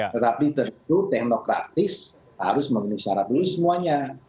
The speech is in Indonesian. tetapi terhubung teknokratis harus mengenai syarat dulu semuanya